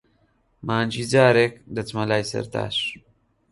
مانگی جارێک، دەچمە لای سەرتاش.